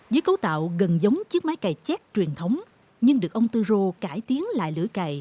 dưới cấu tạo gần giống chiếc máy cày chét truyền thống nhưng được ông từ rồ cải tiến lại lưỡi cày